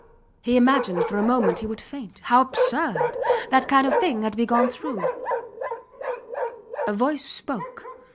He imagined for a moment he would faint. How absurd! That kind of thing had to be gone through. A voice spoke.